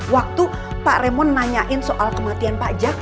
waktu pak raymond nanyain soal kematian pak jaka